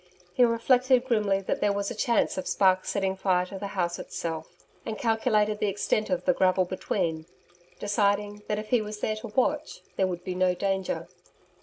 He reflected grimly that there was a chance of sparks setting fire to the house itself, and calculated the extent of the gravel between, deciding that if he was there to watch there would be no danger.